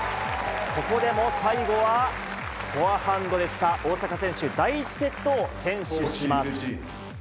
ここでも最後は、フォアハンドでした、大坂選手、第１セットを先取します。